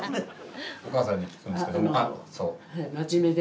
おかあさんに聞くんですけど。